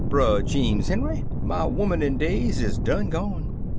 Brer Jeems Henry! my 'omanin' days is done gone.